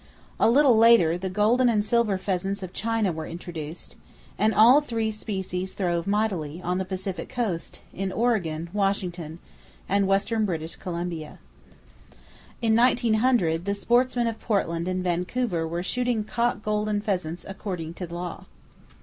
A little later, the golden and silver pheasants of China were introduced, and all three species throve mightily, on the Pacific Coast, in Oregon, Washington and western British Columbia. In 1900, the sportsmen of Portland and Vancouver were shooting cock golden pheasants according to law.